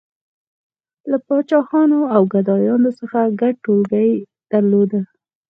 • له پاچاهانو او ګدایانو څخه ګډ ټولګی یې درلود.